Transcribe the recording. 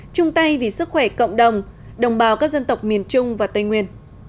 trung tây vì sức khỏe cộng đồng đồng bào các dân tộc miền trung và tây nguyên